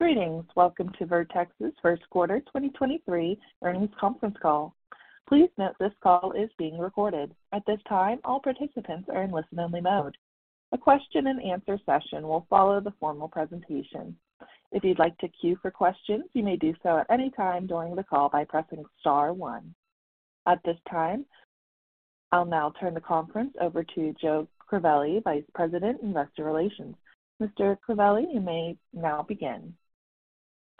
Greetings. Welcome to Vertex's first quarter 2023 earnings conference call. Please note this call is being recorded. At this time, all participants are in listen-only mode. A question and answer session will follow the formal presentation. If you'd like to queue for questions, you may do so at any time during the call by pressing star one. At this time, I'll now turn the conference over to Joe Crivelli, Vice President, Investor Relations. Mr. Crivelli, you may now begin.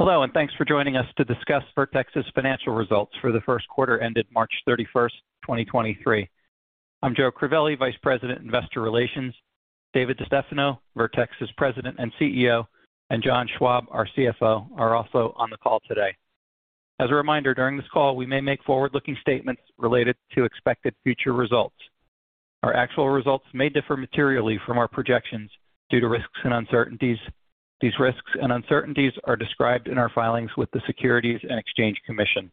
Hello, thanks for joining us to discuss Vertex's financial results for the first quarter ended March thirty-first, twenty twenty-three. I'm Joe Crivelli, Vice President, Investor Relations. David DeStefano, Vertex's President and CEO, and John Schwab, our CFO, are also on the call today. As a reminder, during this call, we may make forward-looking statements related to expected future results. Our actual results may differ materially from our projections due to risks and uncertainties. These risks and uncertainties are described in our filings with the Securities and Exchange Commission.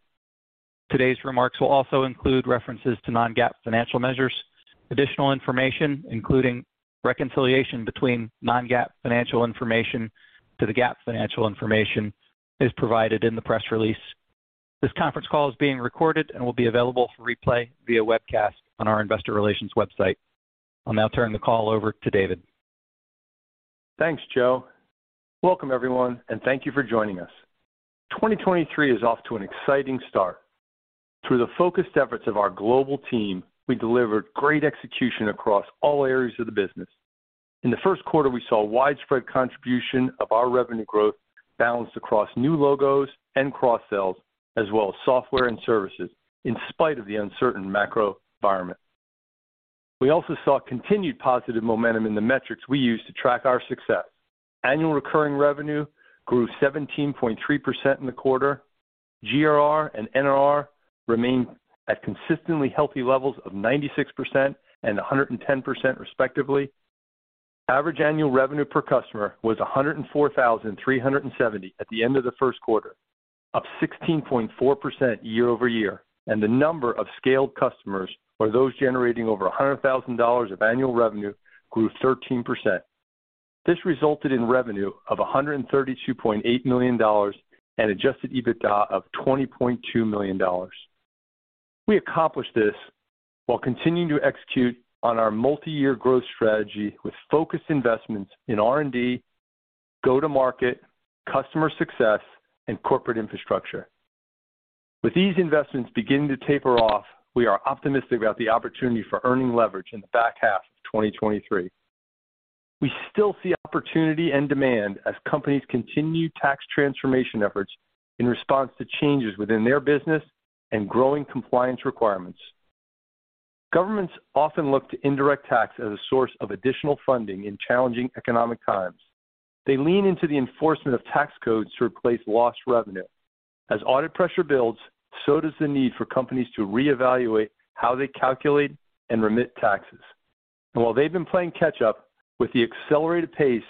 Today's remarks will also include references to non-GAAP financial measures. Additional information, including reconciliation between non-GAAP financial information to the GAAP financial information, is provided in the press release. This conference call is being recorded and will be available for replay via webcast on our investor relations website. I'll now turn the call over to David. Thanks, Joe. Welcome, everyone, and thank you for joining us. 2023 is off to an exciting start. Through the focused efforts of our global team, we delivered great execution across all areas of the business. In the first quarter, we saw widespread contribution of our revenue growth balanced across new logos and cross-sells, as well as software and services in spite of the uncertain macro environment. We also saw continued positive momentum in the metrics we use to track our success. Annual recurring revenue grew 17.3% in the quarter. GRR and NRR remain at consistently healthy levels of 96% and 110% respectively. Average annual revenue per customer was 104,370 at the end of the first quarter, up 16.4% year-over-year, and the number of scaled customers or those generating over $100,000 of annual revenue grew 13%. This resulted in revenue of $132.8 million and adjusted EBITDA of $20.2 million. We accomplished this while continuing to execute on our multi-year growth strategy with focused investments in R&D, go-to-market, customer success, and corporate infrastructure. With these investments beginning to taper off, we are optimistic about the opportunity for earning leverage in the back half of 2023. We still see opportunity and demand as companies continue tax transformation efforts in response to changes within their business and growing compliance requirements. Governments often look to indirect tax as a source of additional funding in challenging economic times. They lean into the enforcement of tax codes to replace lost revenue. As audit pressure builds, so does the need for companies to reevaluate how they calculate and remit taxes. While they've been playing catch up with the accelerated pace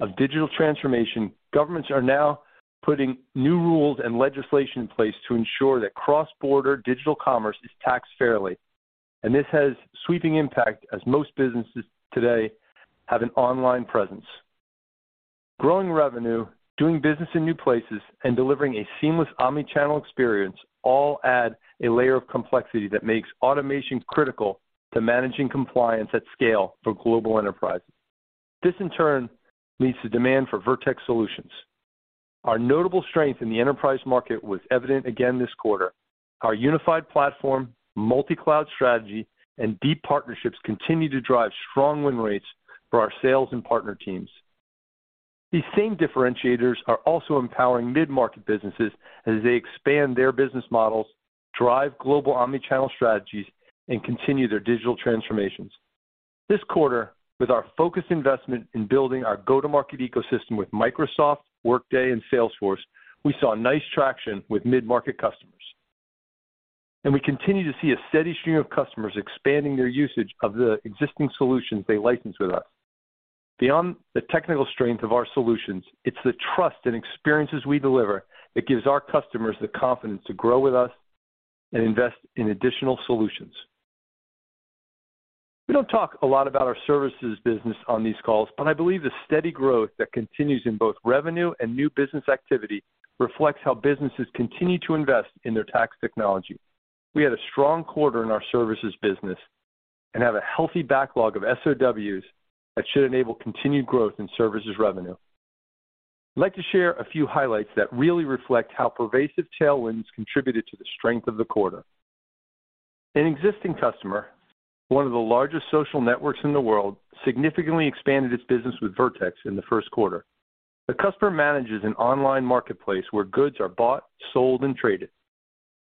of digital transformation, governments are now putting new rules and legislation in place to ensure that cross-border digital commerce is taxed fairly, and this has sweeping impact as most businesses today have an online presence. Growing revenue, doing business in new places, and delivering a seamless omnichannel experience all add a layer of complexity that makes automation critical to managing compliance at scale for global enterprises. This, in turn, leads to demand for Vertex solutions. Our notable strength in the enterprise market was evident again this quarter. Our unified platform, multi-cloud strategy, and deep partnerships continue to drive strong win rates for our sales and partner teams. These same differentiators are also empowering mid-market businesses as they expand their business models, drive global omnichannel strategies, and continue their digital transformations. This quarter, with our focused investment in building our go-to-market ecosystem with Microsoft, Workday, and Salesforce, we saw nice traction with mid-market customers. We continue to see a steady stream of customers expanding their usage of the existing solutions they license with us. Beyond the technical strength of our solutions, it's the trust and experiences we deliver that gives our customers the confidence to grow with us and invest in additional solutions. We don't talk a lot about our services business on these calls, but I believe the steady growth that continues in both revenue and new business activity reflects how businesses continue to invest in their tax technology. We had a strong quarter in our services business and have a healthy backlog of SOWs that should enable continued growth in services revenue. I'd like to share a few highlights that really reflect how pervasive tailwinds contributed to the strength of the quarter. An existing customer, one of the largest social networks in the world, significantly expanded its business with Vertex in the first quarter. The customer manages an online marketplace where goods are bought, sold, and traded.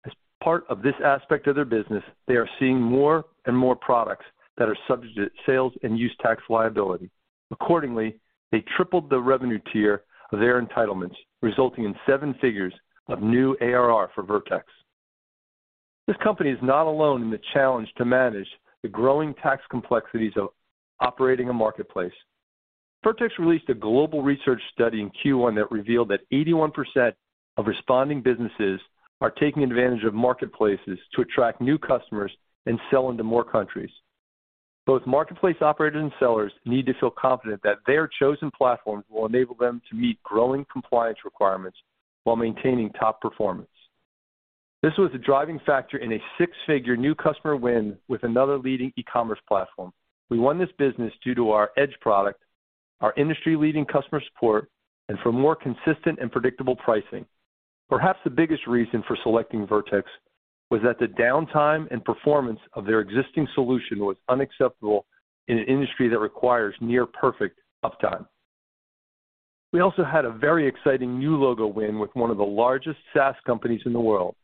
As part of this aspect of their business, they are seeing more and more products that are subject to sales and use tax liability. Accordingly, they tripled the revenue tier of their entitlements, resulting in seven figures of new ARR for Vertex. This company is not alone in the challenge to manage the growing tax complexities of operating a marketplace. Vertex released a global research study in Q1 that revealed that 81% of responding businesses are taking advantage of marketplaces to attract new customers and sell into more countries. Both marketplace operators and sellers need to feel confident that their chosen platforms will enable them to meet growing compliance requirements while maintaining top performance. This was a driving factor in a six-figure new customer win with another leading e-commerce platform. We won this business due to our edge product, our industry-leading customer support, and for more consistent and predictable pricing. Perhaps the biggest reason for selecting Vertex was that the downtime and performance of their existing solution was unacceptable in an industry that requires near perfect uptime. We also had a very exciting new logo win with one of the largest SaaS companies in the world,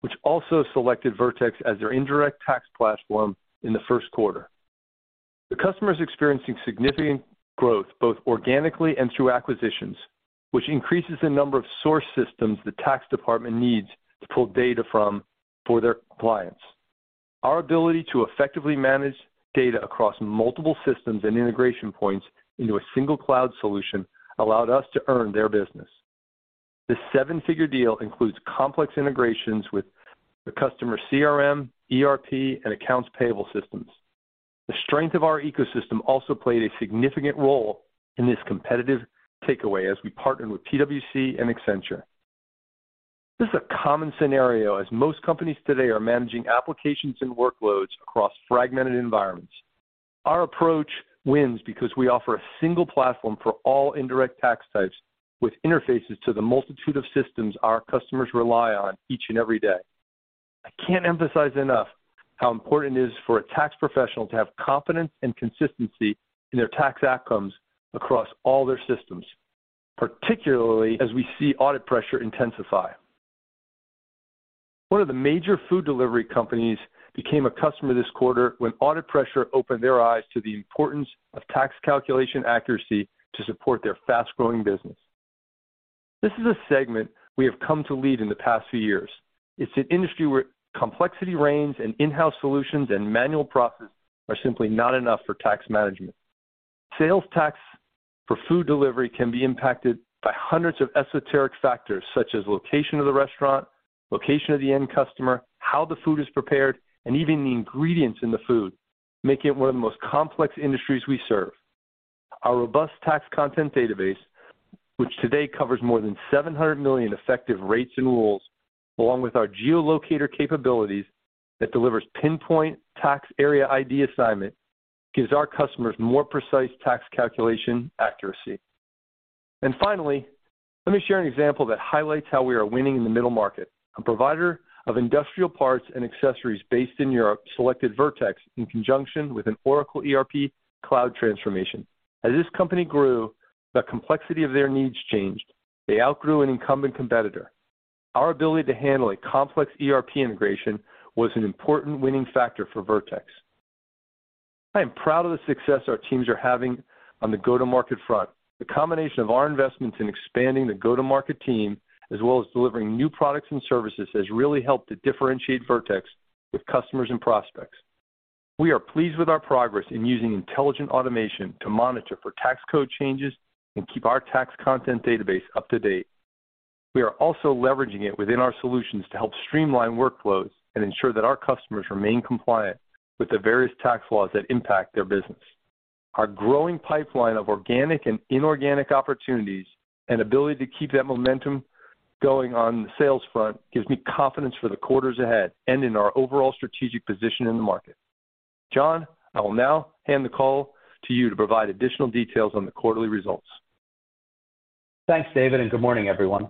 which also selected Vertex as their indirect tax platform in the first quarter. The customer is experiencing significant growth, both organically and through acquisitions, which increases the number of source systems the tax department needs to pull data from for their compliance. Our ability to effectively manage data across multiple systems and integration points into a single cloud solution allowed us to earn their business. This seven-figure deal includes complex integrations with the customer CRM, ERP, and accounts payable systems. The strength of our ecosystem also played a significant role in this competitive takeaway as we partnered with PwC and Accenture. This is a common scenario as most companies today are managing applications and workloads across fragmented environments. Our approach wins because we offer a single platform for all indirect tax types with interfaces to the multitude of systems our customers rely on each and every day. I can't emphasize enough how important it is for a tax professional to have confidence and consistency in their tax outcomes across all their systems, particularly as we see audit pressure intensify. One of the major food delivery companies became a customer this quarter when audit pressure opened their eyes to the importance of tax calculation accuracy to support their fast-growing business. This is a segment we have come to lead in the past few years. It's an industry where complexity reigns and in-house solutions and manual processes are simply not enough for tax management. Sales tax for food delivery can be impacted by hundreds of esoteric factors, such as location of the restaurant, location of the end customer, how the food is prepared, and even the ingredients in the food, making it one of the most complex industries we serve. Our robust tax content database, which today covers more than 700 million effective rates and rules, along with our geo-locator capabilities that delivers pinpoint Tax Area ID assignment, gives our customers more precise tax calculation accuracy. Finally, let me share an example that highlights how we are winning in the middle market. A provider of industrial parts and accessories based in Europe selected Vertex in conjunction with an Oracle ERP cloud transformation. As this company grew, the complexity of their needs changed. They outgrew an incumbent competitor. Our ability to handle a complex ERP integration was an important winning factor for Vertex. I am proud of the success our teams are having on the go-to-market front. The combination of our investments in expanding the go-to-market team, as well as delivering new products and services, has really helped to differentiate Vertex with customers and prospects. We are pleased with our progress in using intelligent automation to monitor for tax code changes and keep our tax content database up to date. We are also leveraging it within our solutions to help streamline workflows and ensure that our customers remain compliant with the various tax laws that impact their business. Our growing pipeline of organic and inorganic opportunities and ability to keep that momentum going on the sales front gives me confidence for the quarters ahead and in our overall strategic position in the market. John, I will now hand the call to you to provide additional details on the quarterly results. Thanks, David. Good morning, everyone.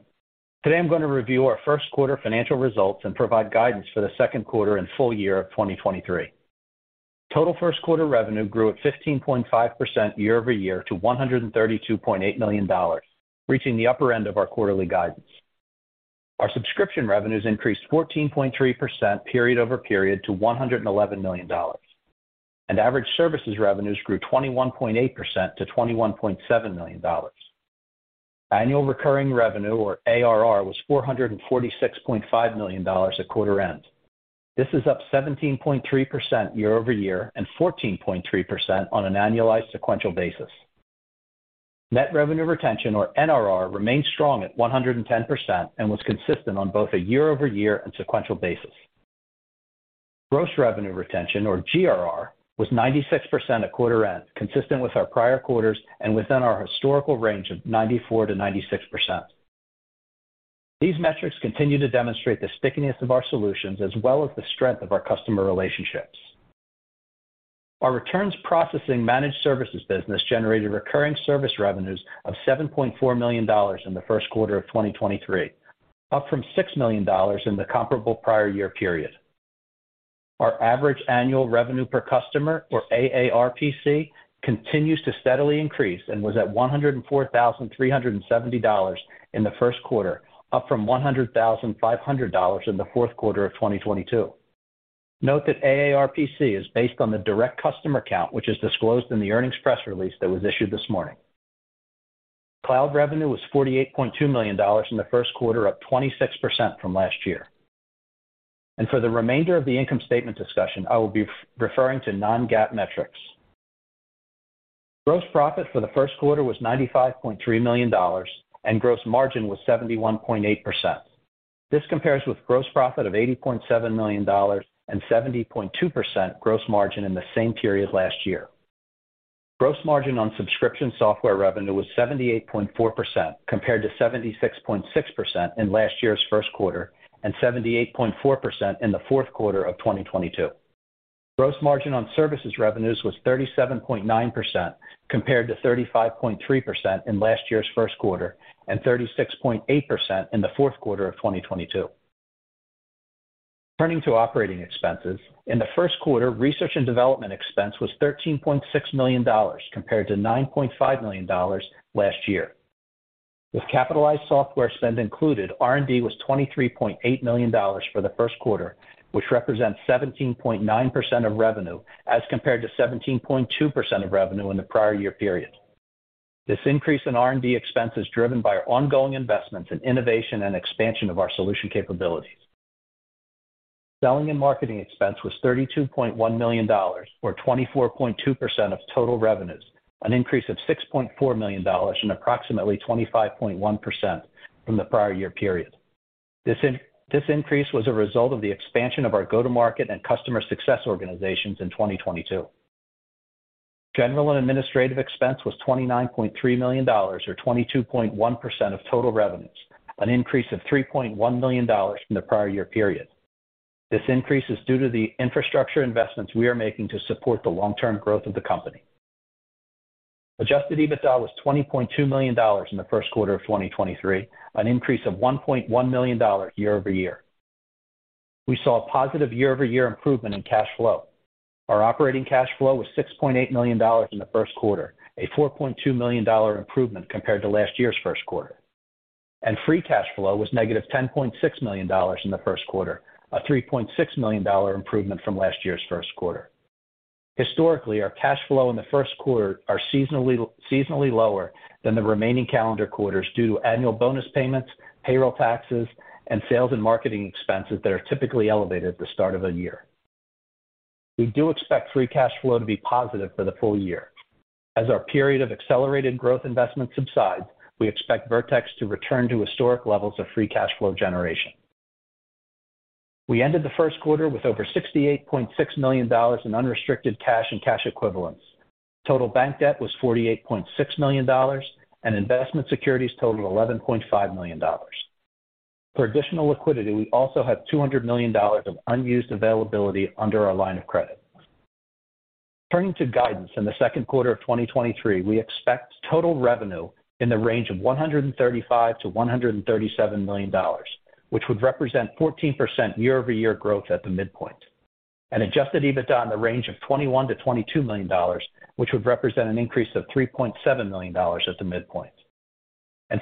Today, I'm going to review our first quarter financial results and provide guidance for the second quarter and full year of 2023. Total first quarter revenue grew at 15.5% year-over-year to $132.8 million, reaching the upper end of our quarterly guidance. Our subscription revenues increased 14.3% period over period to $111 million, and average services revenues grew 21.8% to $21.7 million. Annual recurring revenue, or ARR, was $446.5 million at quarter end. This is up 17.3% year-over-year and 14.3% on an annualized sequential basis. Net revenue retention, or NRR, remains strong at 110% and was consistent on both a year-over-year and sequential basis. Gross revenue retention, or GRR, was 96% at quarter end, consistent with our prior quarters and within our historical range of 94%-96%. These metrics continue to demonstrate the stickiness of our solutions as well as the strength of our customer relationships. Our returns processing managed services business generated recurring service revenues of $7.4 million in the first quarter of 2023, up from $6 million in the comparable prior year period. Our average annual revenue per customer, or AARPC, continues to steadily increase and was at $104,370 in the first quarter, up from $100,500 in the fourth quarter of 2022. Note that AARPC is based on the direct customer count, which is disclosed in the earnings press release that was issued this morning. Cloud revenue was $48.2 million in the first quarter, up 26% from last year. For the remainder of the income statement discussion, I will be referring to non-GAAP metrics. Gross profit for the first quarter was $95.3 million, and gross margin was 71.8%. This compares with gross profit of $80.7 million and 70.2% gross margin in the same period last year. Gross margin on subscription software revenue was 78.4% compared to 76.6% in last year's first quarter and 78.4% in the fourth quarter of 2022. Gross margin on services revenues was 37.9% compared to 35.3% in last year's first quarter and 36.8% in the fourth quarter of 2022. Turning to operating expenses. In the first quarter, research and development expense was $13.6 million compared to $9.5 million last year. With capitalized software spend included, R&D was $23.8 million for the first quarter, which represents 17.9% of revenue as compared to 17.2% of revenue in the prior year period. This increase in R&D expense is driven by our ongoing investments in innovation and expansion of our solution capabilities. Selling and marketing expense was $32.1 million or 24.2% of total revenues, an increase of $6.4 million and approximately 25.1% from the prior year period. This increase was a result of the expansion of our go-to-market and customer success organizations in 2022. General and administrative expense was $29.3 million or 22.1% of total revenues, an increase of $3.1 million from the prior year period. This increase is due to the infrastructure investments we are making to support the long-term growth of the company. Adjusted EBITDA was $20.2 million in the first quarter of 2023, an increase of $1.1 million year-over-year. We saw a positive year-over-year improvement in cash flow. Our operating cash flow was $6.8 million in the first quarter, a $4.2 million improvement compared to last year's first quarter. Free cash flow was negative $10.6 million in the first quarter, a $3.6 million improvement from last year's first quarter. Historically, our cash flow in the first quarter are seasonally lower than the remaining calendar quarters due to annual bonus payments, payroll taxes, and sales and marketing expenses that are typically elevated at the start of a year. We do expect free cash flow to be positive for the full year. As our period of accelerated growth investment subside, we expect Vertex to return to historic levels of free cash flow generation. We ended the first quarter with over $68.6 million in unrestricted cash and cash equivalents. Total bank debt was $48.6 million, and investment securities totaled $11.5 million. For additional liquidity, we also have $200 million of unused availability under our line of credit. Turning to guidance in the second quarter of 2023, we expect total revenue in the range of $135 million-$137 million, which would represent 14% year-over-year growth at the midpoint. Adjusted EBITDA in the range of $21 million-$22 million, which would represent an increase of $3.7 million at the midpoint.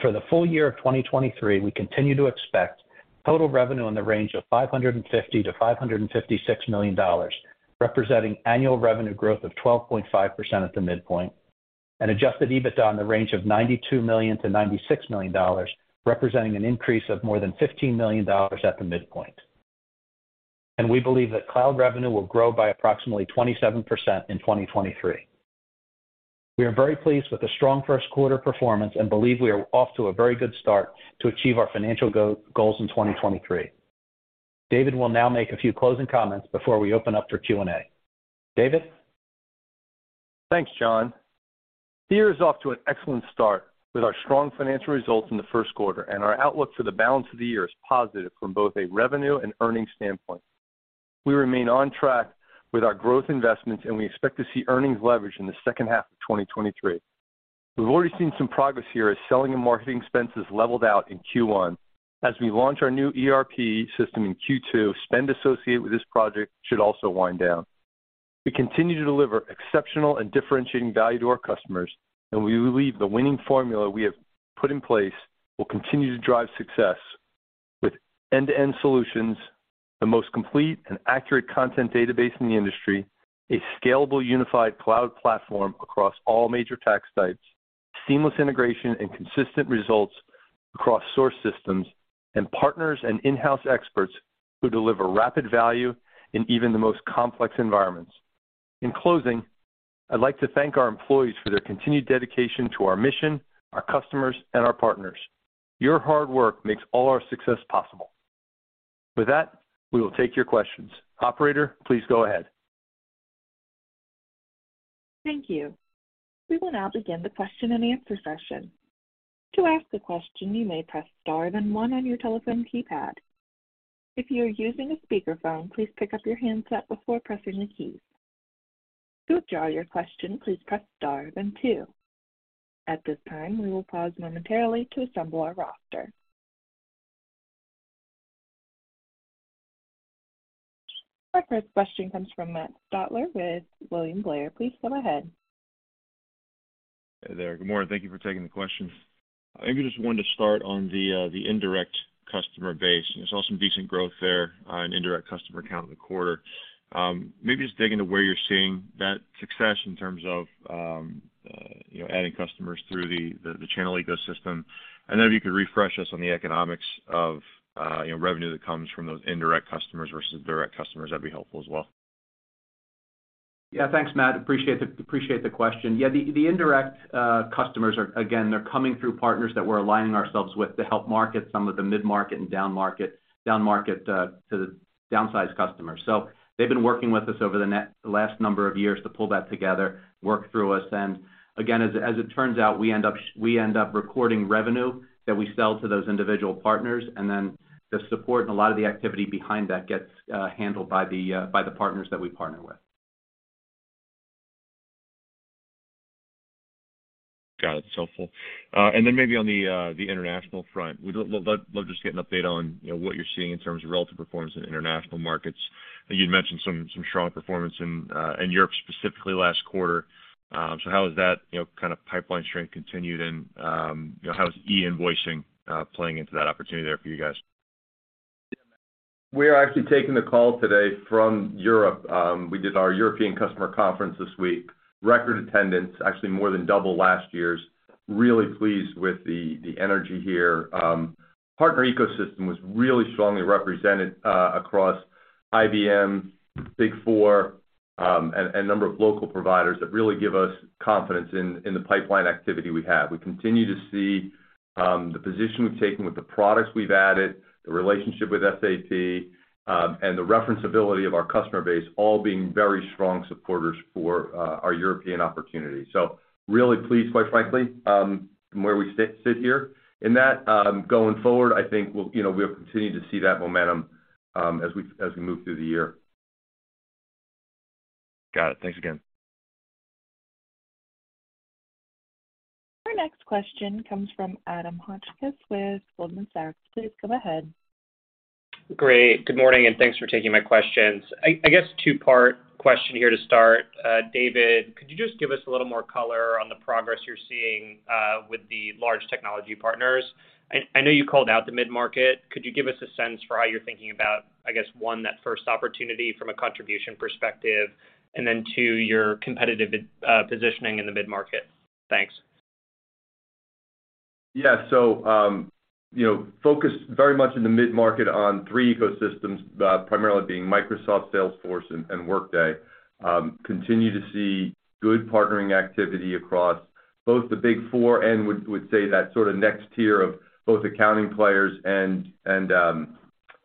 For the full year of 2023, we continue to expect total revenue in the range of $550 million-$556 million, representing annual revenue growth of 12.5% at the midpoint. Adjusted EBITDA in the range of $92 million-$96 million, representing an increase of more than $15 million at the midpoint. We believe that cloud revenue will grow by approximately 27% in 2023. We are very pleased with the strong first quarter performance and believe we are off to a very good start to achieve our financial goals in 2023. David will now make a few closing comments before we open up for Q&A. David. Thanks, John. The year is off to an excellent start with our strong financial results in the first quarter, and our outlook for the balance of the year is positive from both a revenue and earnings standpoint. We remain on track with our growth investments, and we expect to see earnings leverage in the second half of 2023. We've already seen some progress here as selling and marketing expenses leveled out in Q1. As we launch our new ERP system in Q2, spend associated with this project should also wind down. We continue to deliver exceptional and differentiating value to our customers. We believe the winning formula we have put in place will continue to drive success with end-to-end solutions, the most complete and accurate content database in the industry, a scalable unified cloud platform across all major tax types, seamless integration and consistent results across source systems, and partners and in-house experts who deliver rapid value in even the most complex environments. In closing, I'd like to thank our employees for their continued dedication to our mission, our customers, and our partners. Your hard work makes all our success possible. With that, we will take your questions. Operator, please go ahead. Thank you. We will now begin the question and answer session. To ask a question, you may press star then one on your telephone keypad. If you are using a speakerphone, please pick up your handset before pressing the keys. To withdraw your question, please press star then two. At this time, we will pause momentarily to assemble our roster. Our first question comes from Matt Stotler with William Blair. Please go ahead. Hey there. Good morning. Thank you for taking the questions. I maybe just wanted to start on the indirect customer base. I saw some decent growth there on indirect customer count in the quarter. Maybe just dig into where you're seeing that success in terms of, you know, adding customers through the, the channel ecosystem. If you could refresh us on the economics of, you know, revenue that comes from those indirect customers versus direct customers, that'd be helpful as well. Yeah. Thanks, Matt. Appreciate the question. Yeah, the indirect customers are. Again, they're coming through partners that we're aligning ourselves with to help market some of the mid-market and downmarket to the downsize customers. They've been working with us over the last number of years to pull that together, work through us. Again, as it turns out, we end up recording revenue that we sell to those individual partners, and then the support and a lot of the activity behind that gets handled by the partners that we partner with. Got it. It's helpful. Then maybe on the international front, we'd love just to get an update on, you know, what you're seeing in terms of relative performance in international markets. You'd mentioned some strong performance in Europe specifically last quarter. How has that, you know, kind of pipeline strength continued and, you know, how is e-invoicing playing into that opportunity there for you guys? We are actually taking the call today from Europe. We did our European customer conference this week. Record attendance, actually more than double last year's. Really pleased with the energy here. Partner ecosystem was really strongly represented across IBM, Big Four, a number of local providers that really give us confidence in the pipeline activity we have. We continue to see the position we've taken with the products we've added, the relationship with SAP, and the reference ability of our customer base all being very strong supporters for our European opportunity. Really pleased, quite frankly, where we sit here in that. Going forward, I think we'll, you know, we'll continue to see that momentum as we move through the year. Got it. Thanks again. Our next question comes from Adam Hotchkiss with Goldman Sachs. Please go ahead. Great. Good morning, thanks for taking my questions. I guess two-part question here to start. David, could you just give us a little more color on the progress you're seeing with the large technology partners? I know you called out the mid-market. Could you give us a sense for how you're thinking about, I guess, one, that first opportunity from a contribution perspective, and then two, your competitive positioning in the mid-market? Thanks. Yeah. You know, focused very much in the mid-market on three ecosystems, primarily being Microsoft, Salesforce, and Workday. Continue to see good partnering activity across both the Big Four and would say that sort of next tier of both accounting players and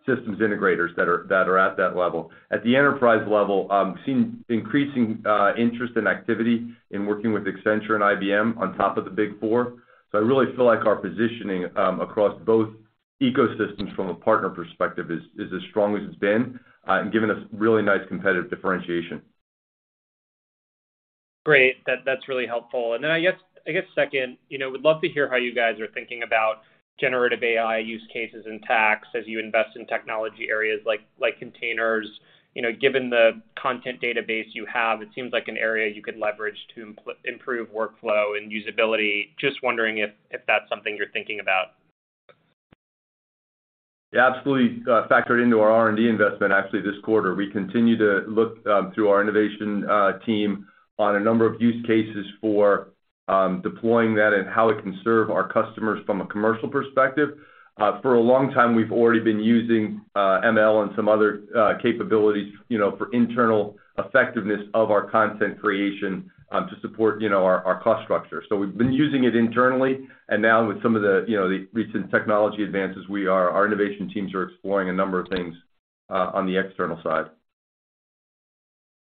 systems integrators that are at that level. At the enterprise level, we've seen increasing interest and activity in working with Accenture and IBM on top of the Big Four. I really feel like our positioning across both ecosystems from a partner perspective is as strong as it's been and given us really nice competitive differentiation. Great. That's really helpful. I guess second, you know, would love to hear how you guys are thinking about generative AI use cases in tax as you invest in technology areas like containers. You know, given the content database you have, it seems like an area you could leverage to improve workflow and usability. Just wondering if that's something you're thinking about. Yeah, absolutely, factored into our R&D investment actually this quarter. We continue to look through our innovation team on a number of use cases for deploying that and how it can serve our customers from a commercial perspective. For a long time, we've already been using ML and some other capabilities, you know, for internal effectiveness of our content creation to support, you know, our cost structure. We've been using it internally, and now with some of the, you know, the recent technology advances, our innovation teams are exploring a number of things on the external side.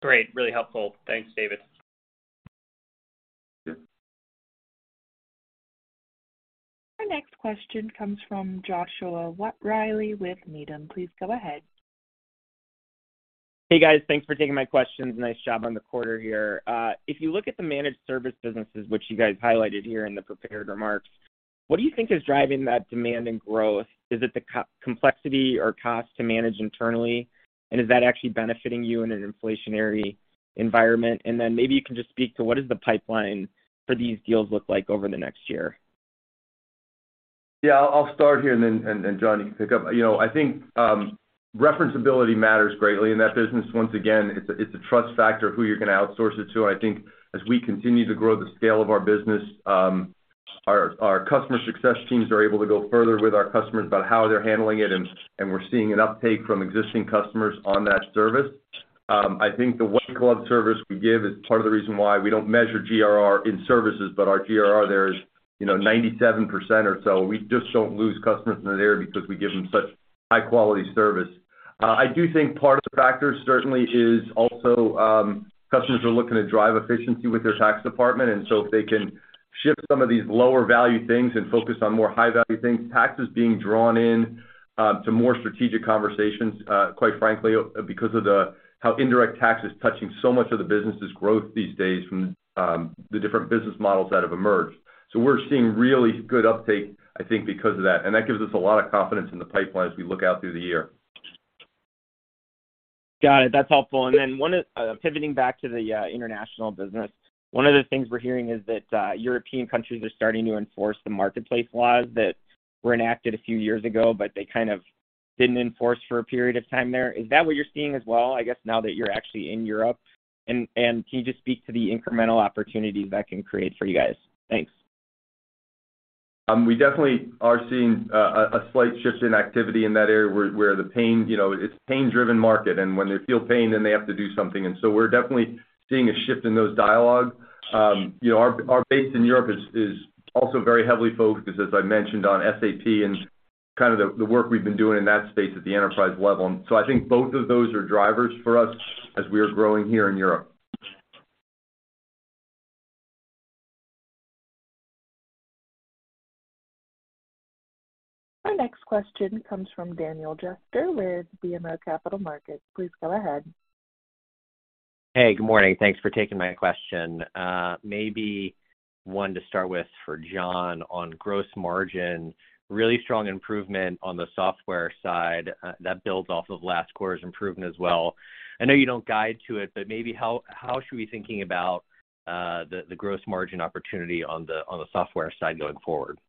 Great. Really helpful. Thanks, David. Sure. Our next question comes from Joshua Reilly with Needham. Please go ahead. Hey, guys. Thanks for taking my questions. Nice job on the quarter here. If you look at the managed service businesses, which you guys highlighted here in the prepared remarks, what do you think is driving that demand and growth? Is it the complexity or cost to manage internally? Is that actually benefiting you in an inflationary environment? Maybe you can just speak to what is the pipeline for these deals look like over the next year. I'll start here, and then, and then, John, you can pick up. You know, I think reference ability matters greatly in that business. Once again, it's a, it's a trust factor who you're gonna outsource it to. I think as we continue to grow the scale of our business, our customer success teams are able to go further with our customers about how they're handling it, and we're seeing an uptake from existing customers on that service. I think the white glove service we give is part of the reason why we don't measure GRR in services, but our GRR there is, you know, 97% or so. We just don't lose customers in that area because we give them such high quality service. I do think part of the factor certainly is also, customers are looking to drive efficiency with their tax department, and so if they can shift some of these lower value things and focus on more high value things, tax is being drawn in, to more strategic conversations, quite frankly because of how indirect tax is touching so much of the business' growth these days from, the different business models that have emerged. We're seeing really good uptake, I think, because of that, and that gives us a lot of confidence in the pipeline as we look out through the year. Got it. That's helpful. Pivoting back to the international business. One of the things we're hearing is that European countries are starting to enforce the marketplace laws that were enacted a few years ago, but they kind of didn't enforce for a period of time there. Is that what you're seeing as well, I guess, now that you're actually in Europe? Can you just speak to the incremental opportunities that can create for you guys? Thanks. We definitely are seeing a slight shift in activity in that area where the pain, you know, it's pain-driven market, and when they feel pain, then they have to do something. We're definitely seeing a shift in those dialogues. You know, our base in Europe is also very heavily focused, as I mentioned, on SAP and the work we've been doing in that space at the enterprise level. I think both of those are drivers for us as we are growing here in Europe. Our next question comes from Daniel Jester with BMO Capital Markets. Please go ahead. Hey, good morning. Thanks for taking my question. Maybe one to start with for John on gross margin. Really strong improvement on the software side, that builds off of last quarter's improvement as well. I know you don't guide to it, but maybe how should we be thinking about the gross margin opportunity on the, on the software side going forward?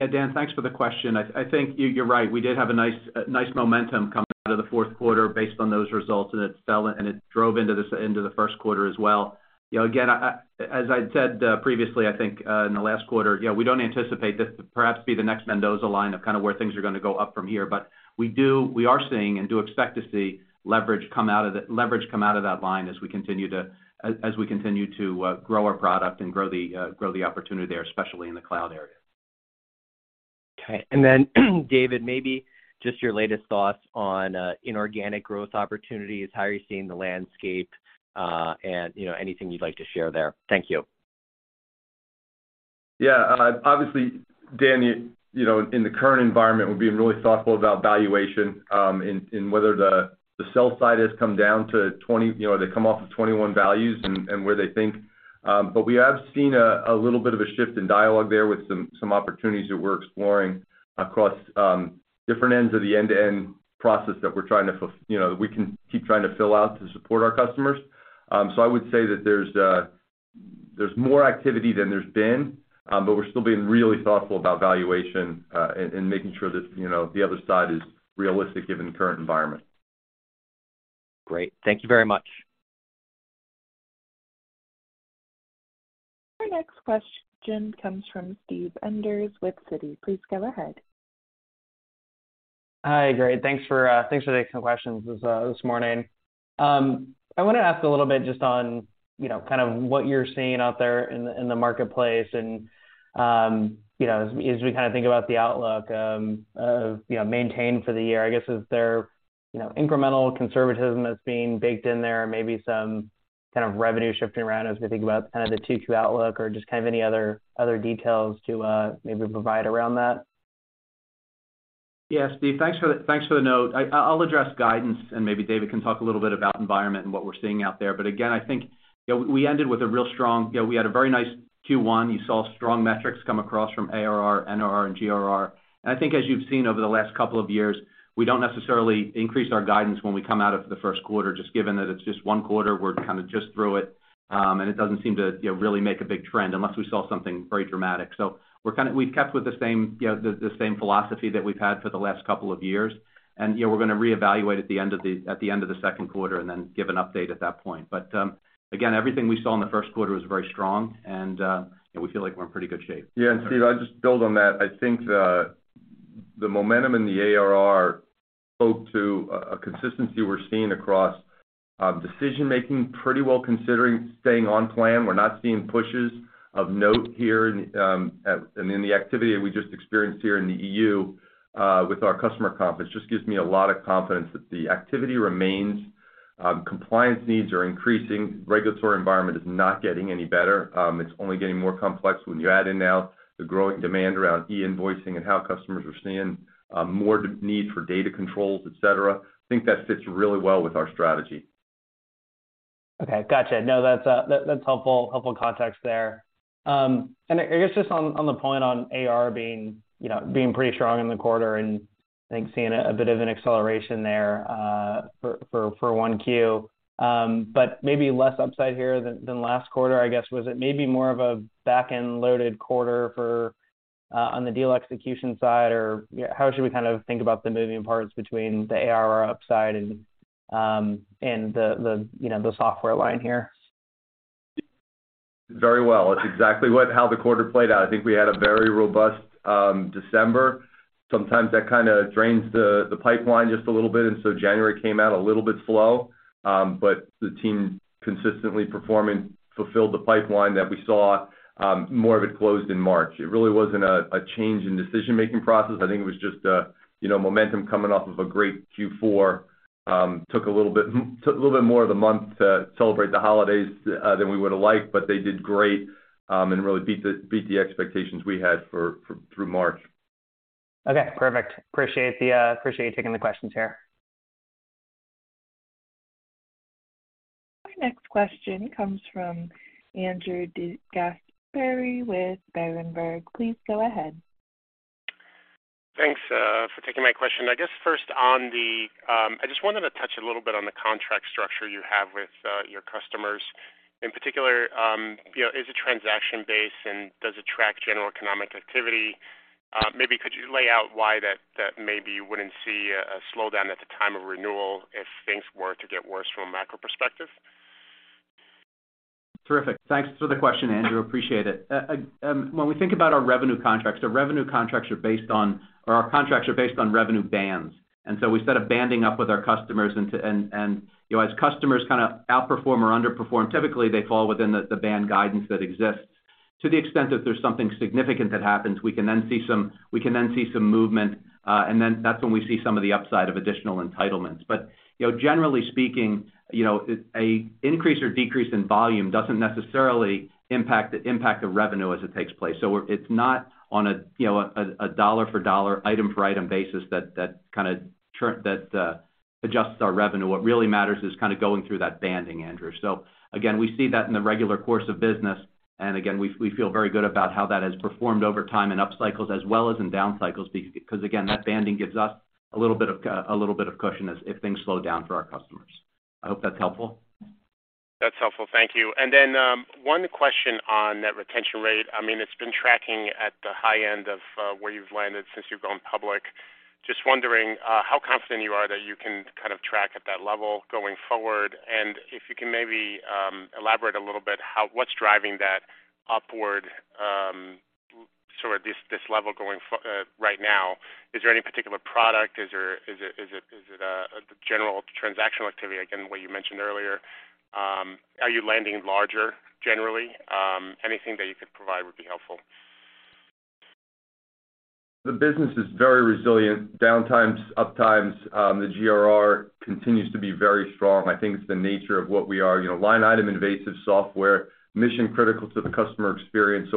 Yeah, Dan, thanks for the question. I think you're right. We did have a nice momentum coming out of the fourth quarter based on those results, and it fell and it drove into the first quarter as well. You know, again, I, as I said previously, I think in the last quarter, you know, we don't anticipate this to perhaps be the next Mendoza line of kind of where things are gonna go up from here. But we are seeing and do expect to see leverage come out of that line as we continue to grow our product and grow the opportunity there, especially in the cloud area. Okay. David, maybe just your latest thoughts on inorganic growth opportunities, how you're seeing the landscape, and, you know, anything you'd like to share there. Thank you. Yeah. Obviously, Dan, you know, in the current environment, we're being really thoughtful about valuation, and whether the sell side has come down to 20, you know, they come off of 21 values and where they think. We have seen a little bit of a shift in dialogue there with some opportunities that we're exploring across different ends of the end-to-end process that we're trying to, you know, that we can keep trying to fill out to support our customers. I would say that there's more activity than there's been, we're still being really thoughtful about valuation, and making sure that, you know, the other side is realistic given the current environment. Great. Thank you very much. Our next question comes from Steve Enders with Citi. Please go ahead. Hi. Great. Thanks for, thanks for taking the questions this morning. I wanna ask a little bit just on, you know, kind of what you're seeing out there in the, in the marketplace and, you know, as we kind of think about the outlook, of, you know, maintain for the year. I guess, is there, you know, incremental conservatism that's being baked in there, maybe some kind of revenue shifting around as we think about kind of the Q2 outlook or just kind of any other details to, maybe provide around that? Yeah. Steve, thanks for the note. I'll address guidance, maybe David can talk a little bit about environment and what we're seeing out there. Again, I think, you know, we had a very nice Q1. You saw strong metrics come across from ARR, NRR, and GRR. I think as you've seen over the last two years, we don't necessarily increase our guidance when we come out of the 1st quarter. Just given that it's just one quarter, we're kinda just through it doesn't seem to, you know, really make a big trend unless we saw something very dramatic. We've kept with the same, you know, the same philosophy that we've had for the last two years. You know, we're gonna reevaluate at the end of the second quarter and then give an update at that point. Again, everything we saw in the first quarter was very strong, you know, we feel like we're in pretty good shape. Yeah. Steve, I'll just build on that. I think the momentum in the ARR spoke to a consistency we're seeing across decision-making pretty well considering staying on plan. We're not seeing pushes of note here, and in the activity that we just experienced here in the EU, with our customer conference just gives me a lot of confidence that the activity remains, compliance needs are increasing, regulatory environment is not getting any better. It's only getting more complex when you add in now the growing demand around e-invoicing and how customers are seeing more need for data controls, et cetera. I think that fits really well with our strategy. Okay. Gotcha. No, that's helpful context there. I guess just on the point on ARR being, you know, being pretty strong in the quarter and I think seeing a bit of an acceleration there, for 1Q, but maybe less upside here than last quarter, I guess, was it maybe more of a back-end loaded quarter for on the deal execution side? Or how should we kind of think about the moving parts between the ARR upside and the, you know, the software line here? Very well. It's exactly what how the quarter played out. I think we had a very robust December. Sometimes that kinda drains the pipeline just a little bit. January came out a little bit slow. The team consistently performing fulfilled the pipeline that we saw. More of it closed in March. It really wasn't a change in decision-making process. I think it was just a, you know, momentum coming off of a great Q4. Took a little bit, took a little bit more of the month to celebrate the holidays than we would have liked, but they did great and really beat the expectations we had for through March. Okay, perfect. Appreciate the, appreciate you taking the questions here. Our next question comes from Andrew DeGasperi with Berenberg. Please go ahead. Thanks for taking my question. I guess first, I just wanted to touch a little bit on the contract structure you have with your customers. In particular, you know, is it transaction-based and does it track general economic activity? Maybe could you lay out why that maybe you wouldn't see a slowdown at the time of renewal if things were to get worse from a macro perspective? Terrific. Thanks for the question, Andrew DeGasperi. Appreciate it. When we think about our revenue contracts, the revenue contracts are based on our contracts are based on revenue bands. We set a banding up with our customers into... you know, as customers kinda outperform or underperform, typically they fall within the band guidance that exists. To the extent that there's something significant that happens, we can then see some movement, and then that's when we see some of the upside of additional entitlements. Generally speaking, you know, an increase or decrease in volume doesn't necessarily impact the impact of revenue as it takes place. It's not on a, you know, a dollar for dollar item for item basis that kinda that adjusts our revenue. What really matters is kinda going through that banding, Andrew. Again, we see that in the regular course of business. Again, we feel very good about how that has performed over time and up cycles as well as in down cycles because again, that banding gives us a little bit of a little bit of cushion as if things slow down for our customers. I hope that's helpful. That's helpful. Thank you. Then, one question on net retention rate. I mean, it's been tracking at the high end of where you've landed since you've gone public. Just wondering how confident you are that you can kind of track at that level going forward, and if you can maybe elaborate a little bit how... what's driving that upward, sort of this level right now. Is there any particular product? Is it the general transactional activity again, what you mentioned earlier? Are you landing larger generally? Anything that you could provide would be helpful. The business is very resilient. Downtimes, uptimes, the GRR continues to be very strong. I think it's the nature of what we are. You know, line item invasive software, mission critical to the customer experience.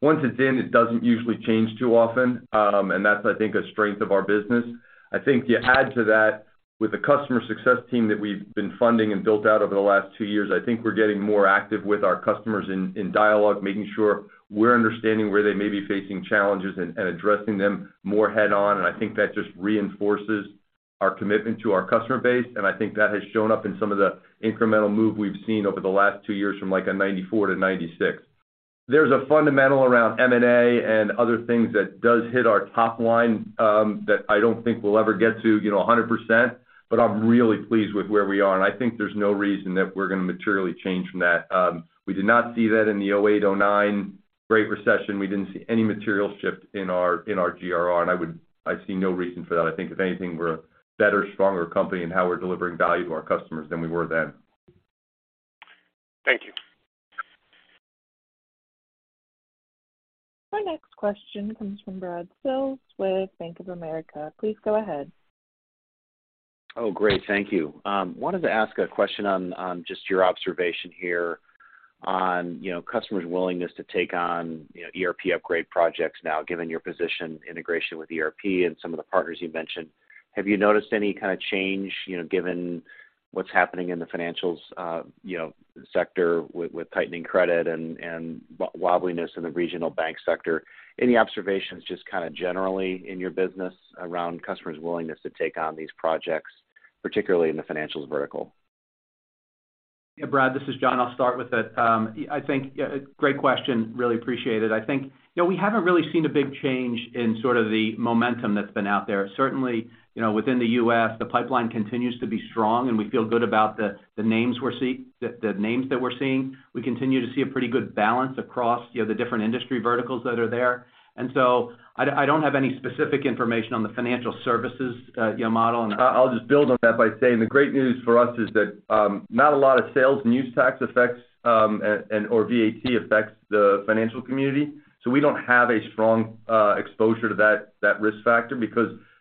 Once it's in, it doesn't usually change too often, and that's, I think, a strength of our business. I think you add to that with the customer success team that we've been funding and built out over the last two years, I think we're getting more active with our customers in dialogue, making sure we're understanding where they may be facing challenges and addressing them more head-on. I think that just reinforces our commitment to our customer base. I think that has shown up in some of the incremental move we've seen over the last two years from like a 94%-96%. There's a fundamental around M&A and other things that does hit our top line, that I don't think we'll ever get to, you know, 100%, but I'm really pleased with where we are. I think there's no reason that we're gonna materially change from that. We did not see that in the 2008, 2009 Great Recession. We didn't see any material shift in our, in our GRR. I see no reason for that. I think if anything, we're a better, stronger company in how we're delivering value to our customers than we were then. Thank you. Our next question comes from Brad Sills with Bank of America. Please go ahead. Great. Thank you. Wanted to ask a question on just your observation here on, you know, customers' willingness to take on, you know, ERP upgrade projects now, given your position, integration with ERP and some of the partners you've mentioned. Have you noticed any kinda change, you know, given what's happening in the financials, you know, sector with tightening credit and wobbliness in the regional bank sector? Any observations just kinda generally in your business around customers' willingness to take on these projects, particularly in the financials vertical? Yeah, Brad, this is John. I'll start with it. I think, great question. Really appreciate it. I think, you know, we haven't really seen a big change in sort of the momentum that's been out there. Certainly, you know, within the U.S., the pipeline continues to be strong, and we feel good about the names that we're seeing. We continue to see a pretty good balance across, you know, the different industry verticals that are there. I don't have any specific information on the financial services, you know, model. I'll just build on that by saying the great news for us is that not a lot of sales and use tax effects and/or VAT affects the financial community. We don't have a strong exposure to that risk factor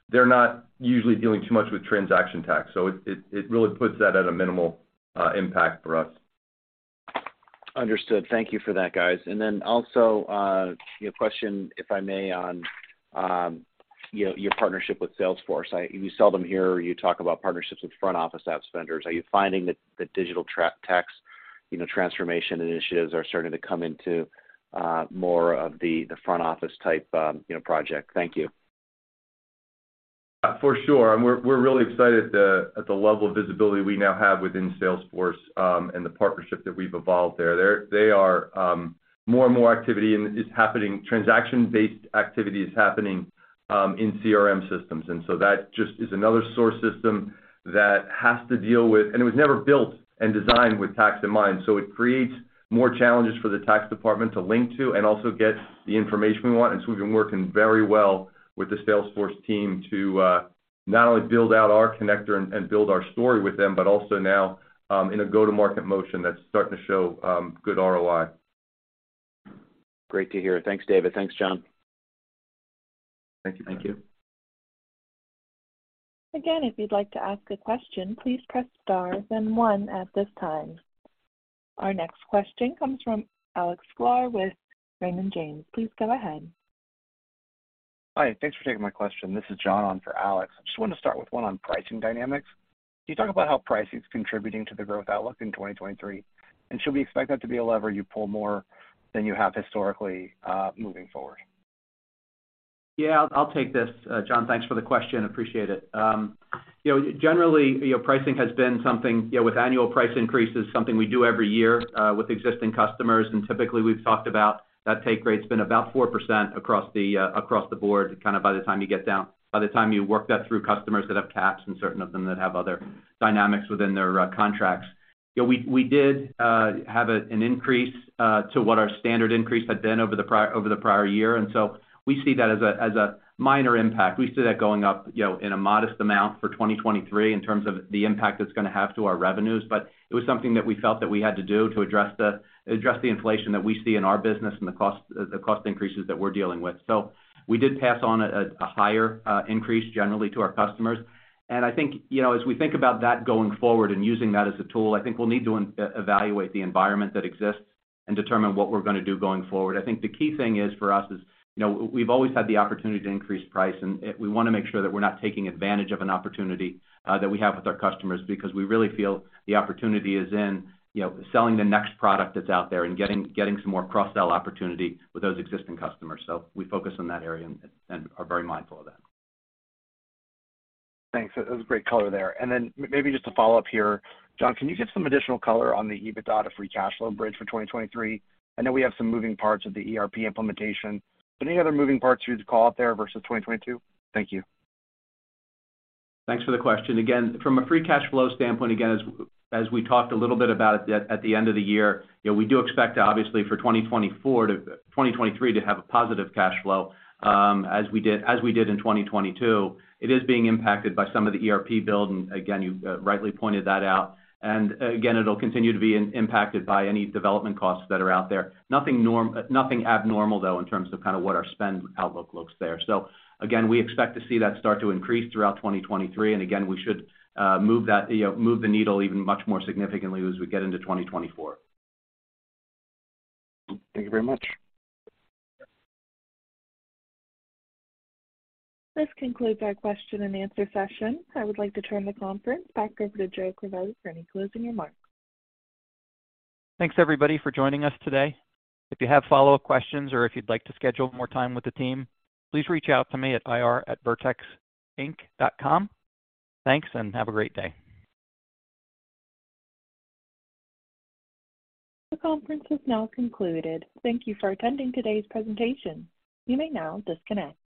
because they're not usually dealing too much with transaction tax. It really puts that at a minimal impact for us. Understood. Thank you for that, guys. Also, a question, if I may, on, you know, your partnership with Salesforce. You sell them here, you talk about partnerships with front office apps vendors. Are you finding that the digital tax, you know, transformation initiatives are starting to come into, more of the front office type, you know, project? Thank you. For sure. We're really excited at the level of visibility we now have within Salesforce and the partnership that we've evolved there. They are more and more activity and is happening, transaction-based activity is happening in CRM systems. That just is another source system that has to deal with... It was never built and designed with tax in mind. It creates more challenges for the tax department to link to and also gets the information we want. We've been working very well with the Salesforce team to not only build out our connector and build our story with them, but also now in a go-to-market motion that's starting to show good ROI. Great to hear. Thanks, David. Thanks, John. Thank you. Thank you. Again, if you'd like to ask a question, please press star then one at this time. Our next question comes from Alex Sklar with Raymond James. Please go ahead. Hi. Thanks for taking my question. This is John on for Alex. I just wanted to start with one on pricing dynamics. Can you talk about how pricing is contributing to the growth outlook in 2023? Should we expect that to be a lever you pull more than you have historically, moving forward? Yeah, I'll take this, John. Thanks for the question. Appreciate it. You know, generally, you know, pricing has been something, you know, with annual price increases, something we do every year with existing customers. Typically, we've talked about that take rate's been about 4% across the board, by the time you work that through customers that have caps and certain of them that have other dynamics within their contracts. You know, we did have a, an increase to what our standard increase had been over the prior year, and so we see that as a minor impact. We see that going up, you know, in a modest amount for 2023 in terms of the impact it's gonna have to our revenues, it was something that we felt that we had to do to address the inflation that we see in our business and the cost increases that we're dealing with. We did pass on a higher increase generally to our customers. I think, you know, as we think about that going forward and using that as a tool, I think we'll need to evaluate the environment that exists and determine what we're gonna do going forward. I think the key thing is, for us is, you know, we've always had the opportunity to increase price, and we wanna make sure that we're not taking advantage of an opportunity that we have with our customers. We really feel the opportunity is in, you know, selling the next product that's out there and getting some more cross-sell opportunity with those existing customers. We focus on that area and are very mindful of that. Thanks. That was a great color there. Maybe just to follow up here. John, can you give some additional color on the EBITDA to free cash flow bridge for 2023? I know we have some moving parts with the ERP implementation. Any other moving parts you'd call out there versus 2022? Thank you. Thanks for the question. Again, from a free cash flow standpoint, again, as we talked a little bit about at the end of the year, you know, we do expect, obviously, for 2023 to have a positive cash flow, as we did in 2022. It is being impacted by some of the ERP build. Again, you rightly pointed that out. Again, it'll continue to be impacted by any development costs that are out there. Nothing abnormal, though, in terms of kind of what our spend outlook looks there. Again, we expect to see that start to increase throughout 2023. Again, we should move that, you know, move the needle even much more significantly as we get into 2024. Thank you very much. This concludes our question and answer session. I would like to turn the conference back over to Joe Crivelli for any closing remarks. Thanks everybody for joining us today. If you have follow-up questions or if you'd like to schedule more time with the team, please reach out to me at ir@vertexinc.com. Thanks. Have a great day. The conference has now concluded. Thank you for attending today's presentation. You may now disconnect.